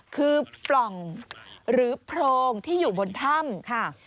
คือปล่องหรือโพรงที่อยู่บนถ้ำค่ะ